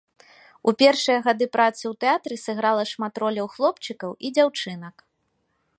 У першыя гады працы ў тэатры сыграла шмат роляў хлопчыкаў і дзяўчынак.